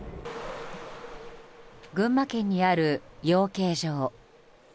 群馬県にある養鶏場。